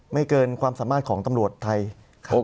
เกินความสามารถของตำรวจไทยครับ